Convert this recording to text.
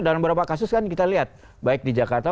dalam beberapa kasus kan kita lihat baik di jakarta